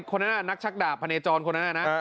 เอ่อไอ้คนนั้นน่ะนักชักดาบพะเนจรคนนั้นน่ะนะ